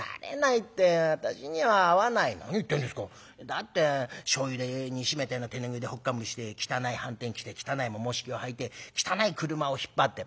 「だってしょうゆで煮しめたような手拭いでほっかむりして汚いはんてん着て汚いももひきをはいて汚い車を引っ張って」。